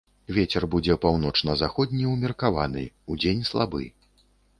Вецер будзе паўночна-заходні ўмеркаваны, удзень слабы.